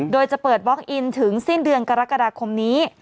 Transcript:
โดยจะเปิดบล็อกอินถึงสิ้นเดือนกรกฎาคมนี้